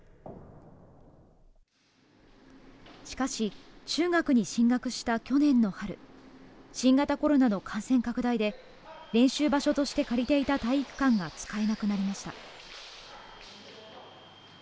しかし、中学に進学した去年の春、新型コロナの感染拡大で、練習場所として借りていた体育館が使えなくなりました。